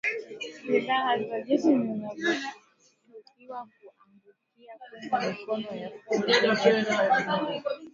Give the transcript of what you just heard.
Silaha za jeshi zinashukiwa kuangukia kwenye mikono ya kundi lenye sifa mbaya